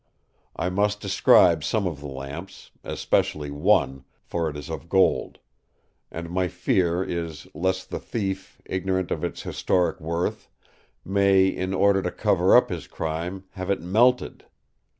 I must describe some of the lamps, especially one, for it is of gold; and my fear is lest the thief, ignorant of its historic worth, may, in order to cover up his crime, have it melted.